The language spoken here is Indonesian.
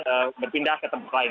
untuk berpindah ke tempat lain